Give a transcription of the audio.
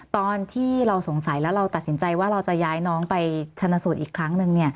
ตอนที่เราสงสัยแล้วเราตัดสินใจว่าเราจะย้ายน้องไปชนสูตรอีกครั้งหนึ่ง